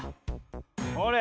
ほれ